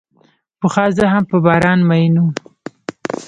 پخوا زه هم په باران مئین وم.